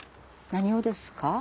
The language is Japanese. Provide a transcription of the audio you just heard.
何をですか？